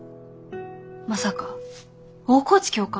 まさか大河内教官？